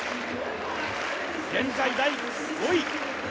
現在第５位。